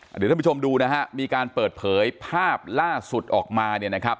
เดี๋ยวท่านผู้ชมดูนะฮะมีการเปิดเผยภาพล่าสุดออกมาเนี่ยนะครับ